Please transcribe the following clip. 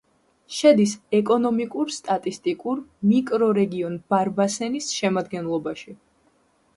შედის ეკონომიკურ-სტატისტიკურ მიკრორეგიონ ბარბასენის შემადგენლობაში.